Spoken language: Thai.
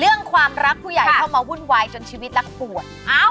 เรื่องความรักผู้ใหญ่เข้ามาวุ่นวายจนชีวิตรักปวด